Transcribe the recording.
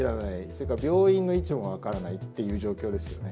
それから病院の位置も分からないっていう状況ですよね。